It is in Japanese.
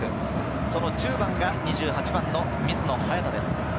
その１０番が２８番の水野颯太です。